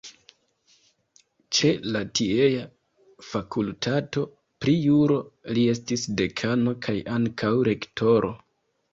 Ĉe la tiea fakultato pri juro li estis dekano kaj ankaŭ rektoro.